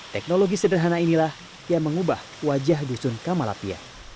teknologi sederhana inilah yang mengubah wajah dusun kamalapia